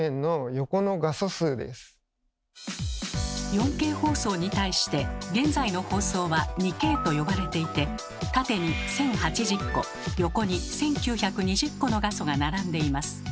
４Ｋ放送に対して現在の放送は「２Ｋ」と呼ばれていて縦に１，０８０個横に１，９２０個の画素が並んでいます。